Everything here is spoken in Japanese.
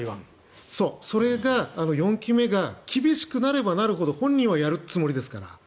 それが、４期目が厳しくなればなるほど本人はやるつもりですから。